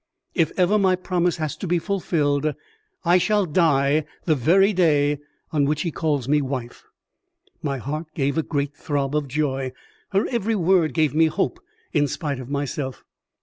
If ever my promise has to be fulfilled, I shall die the very day on which he calls me wife." My heart gave a great throb of joy; her every word gave me hope in spite of myself.